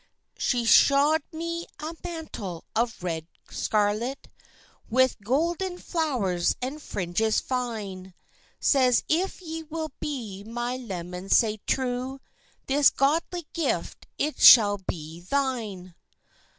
She shaw'd me a mantle of red scarlet, With gowden flowers and fringes fine; Says—"If ye will be my leman sae true, This goodly gift it shall be thine."